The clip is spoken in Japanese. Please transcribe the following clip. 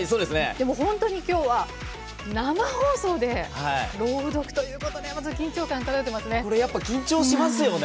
本当にきょうは生放送で朗読ということで緊張感、漂ってますね。